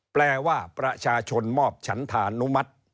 แปลว่าประชาชนมอบฉันธานุมัติ